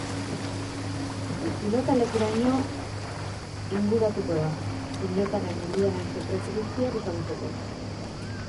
Pilotalekuraino inguratuko da, pilotaren munduaren sekretu guztiak ezagutzeko.